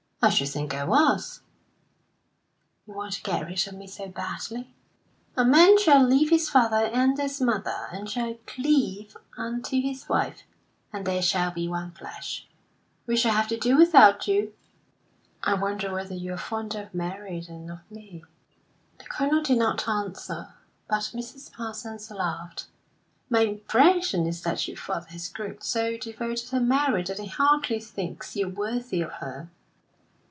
"I should think I was." "You want to get rid of me so badly?" "'A man shall leave his father and his mother, and shall cleave unto his wife; and they shall be one flesh.' We shall have to do without you." "I wonder whether you are fonder of Mary than of me?" The Colonel did not answer, but Mrs. Parsons laughed. "My impression is that your father has grown so devoted to Mary that he hardly thinks you worthy of her."